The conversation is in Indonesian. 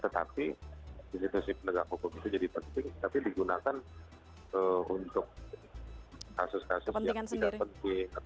tetapi institusi penegak hukum itu jadi penting tapi digunakan untuk kasus kasus yang tidak penting